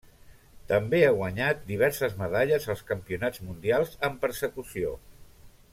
També ha guanyat diverses medalles als Campionats mundials en persecució.